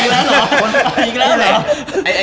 อีกแล้วเหรอ